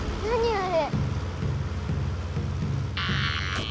あれ。